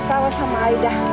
tapi kenapa bisa begitu ya